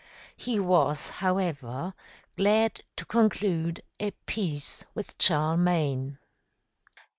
He was, however, glad to conclude a peace with Charlemagne.